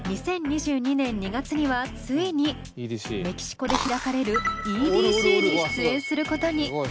２０２２年２月にはついにメキシコで開かれるＥＤＣに出演することに。